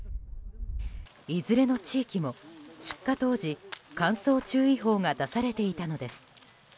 いずれの地域も出火当時、乾燥注意報が出されていたのです。